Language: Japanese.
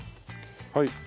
はい。